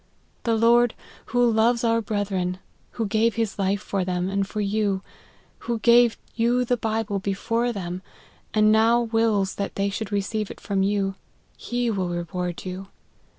The Lord, who loves our brethren, who gave his life for them and for you, who gave you the Bible before them, and now wills that they should receive it from you, he will reward you.